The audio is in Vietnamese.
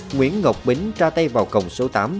nguyễn ngọc bính ra tay vào cổng số tám